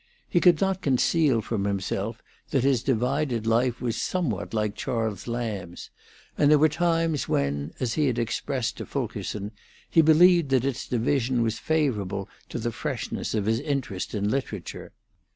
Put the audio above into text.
He could not conceal from himself that his divided life was somewhat like Charles Lamb's, and there were times when, as he had expressed to Fulkerson, he believed that its division was favorable to the freshness of his interest in literature.